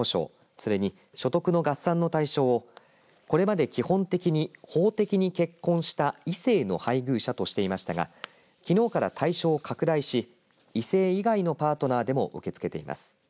それに、所得の合算の対象をこれまで基本的に法的に結婚した異性の配偶者としていましたがきのうから対象を拡大し異性以外のパートナーでも受け付けています。